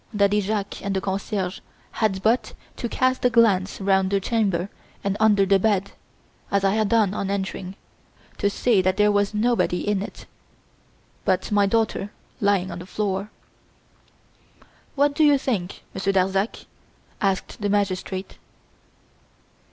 Daddy Jacques and the concierge had but to cast a glance round the chamber and under the bed, as I had done on entering, to see that there was nobody in it but my daughter lying on the floor." "What do you think, Monsieur Darzac?" asked the magistrate.